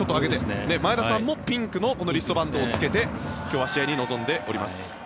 前田さんもピンクのリストバンドを着けて今日は試合に臨んでおります。